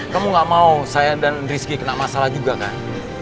kamu gak mau saya dan rizky kena masalah juga kan